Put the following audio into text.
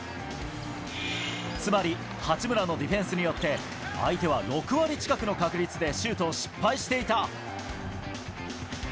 つまり八村のディフェンスによって、相手は６割近くの確率でシュートを失敗していた。